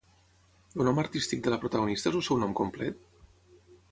El nom artístic de la protagonista és el seu nom complet?